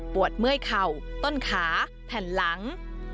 เมื่อยเข่าต้นขาแผ่นหลัง